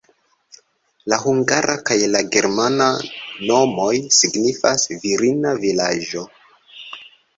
La hungara kaj la germana nomoj signifas "virina vilaĝo".